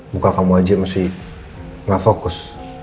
bukan kamu aja yang masih nggak fokus